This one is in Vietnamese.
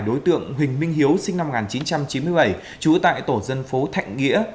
đối tượng huỳnh minh hiếu sinh năm một nghìn chín trăm chín mươi bảy trú tại tổ dân phố thạnh nghĩa